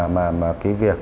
mà cái việc